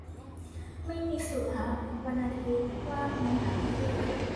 ไม่มีสูบฮะ วันอาทิตย์ว่างมั้ยอะพี่